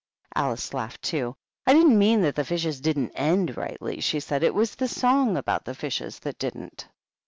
Alice laughed too. "I didn't mean that the fishes didn't end rightly," she said. " It was the song about the fishes that didn't."